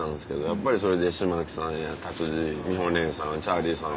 やっぱりそれで島木さんや竜じい美保姉さんチャーリーさん